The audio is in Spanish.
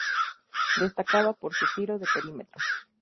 Destacaba por su tiro de perímetro.